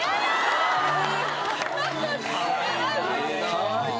かわいい。